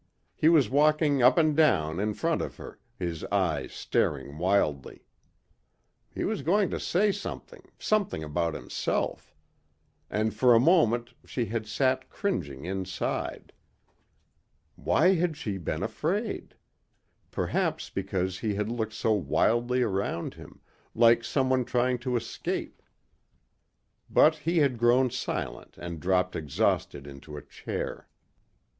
He was walking up and down in front of her, his eyes staring wildly. He was going to say something, something about himself. And for a moment she had sat cringing inside. Why had she been afraid? Perhaps because he had looked so wildly around him, like someone trying to escape. But he had grown silent and dropped exhausted into a chair.